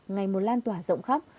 ngày một lan tòa rộng khắp